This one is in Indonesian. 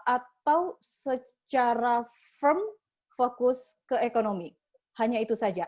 atau secara firm fokus ke ekonomi hanya itu saja